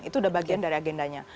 itu udah bagian dari agendanya